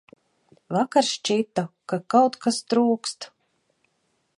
Vakar šķita, ka kaut kas trūkst.